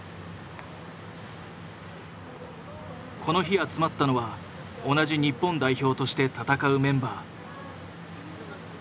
この日集まったのは同じ日本代表として戦うメンバー。